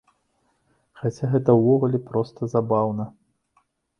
Хаця гэта ўвогуле проста забаўна.